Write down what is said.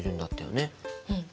うん。